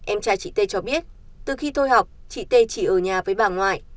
em trai chị t cho biết từ khi thôi học chị t chỉ ở nhà với bà ngoại